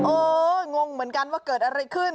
งงเหมือนกันว่าเกิดอะไรขึ้น